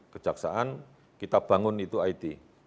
kejaksaan kita bangun itu it